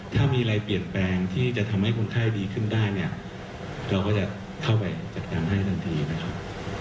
ถ้ามีอะไรเปลี่ยนแปลงที่จะทำให้คนไข้ดีขึ้นได้เนี่ยเราก็จะเข้าไปจัดการให้ทันทีนะครับ